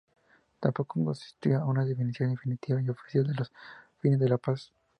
Tampoco constituía una definición definitiva y oficial de los fines de la paz.